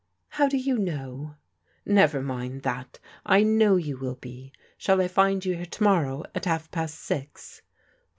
" How do you know ?"" Never mind that, I know you will be. Shall I find you here to morrow at half past six